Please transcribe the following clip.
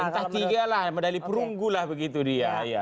entah tiga lah medali perunggulah begitu dia